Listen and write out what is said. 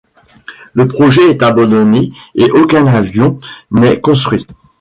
Le projet est abandonné et aucun avion n'est construit.